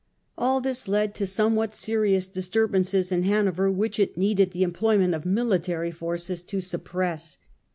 All this led to somewhat serious disturbances in Hanover, which it needed the employment of military force to suppress.